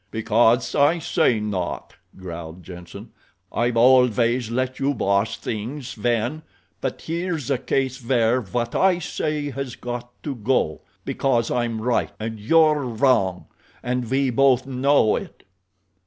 "Because I say not," growled Jenssen. "I've always let you boss things, Sven; but here's a case where what I say has got to go—because I'm right and you're wrong, and we both know it."